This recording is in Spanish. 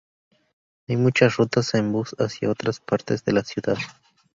Hay muchas rutas de bus hacia otras partes de la ciudad.